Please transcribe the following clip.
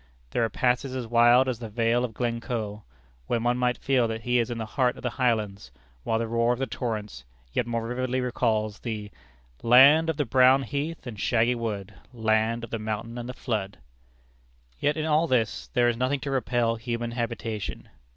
There are passes as wild as the Vale of Glencoe, where one might feel that he is in the heart of the Highlands, while the roar of the torrents yet more vividly recalls the Land of the brown heath and shaggy wood, Land of the mountain and the flood. Yet in all this there is nothing to repel human habitation.